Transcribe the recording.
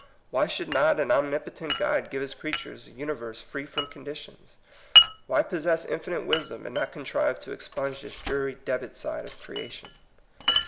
Why should not an ominipo tent God give his creatures a universe free from conditions? Why possess infinite wisdom and not contrive to expunge this dreary debit side of creation.